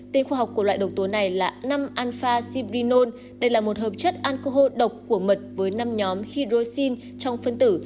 tên khoa học của loại độc tố này là năm alpha siprinol đây là một hợp chất alcohol độc của mật với năm nhóm hydroxin trong phân tử